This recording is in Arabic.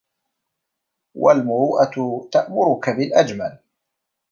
وَالْمُرُوءَةُ تَأْمُرُك بِالْأَجْمَلِ